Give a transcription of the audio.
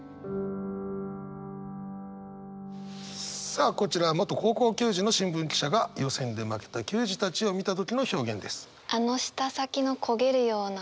さあこちらは元高校球児の新聞記者が予選で負けた球児たちを見た時の表現です。